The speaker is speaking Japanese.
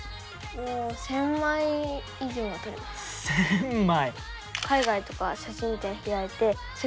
１，０００枚。